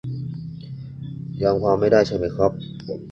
ยอมความไม่ได้ใช่ไหมครับ